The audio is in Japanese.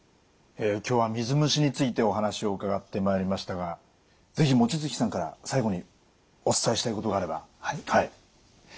今日は水虫についてお話を伺ってまいりましたが是非望月さんから最後にお伝えしたいことがあれば。